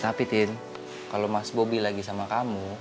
tapi tin kalau mas bobi lagi sama kamu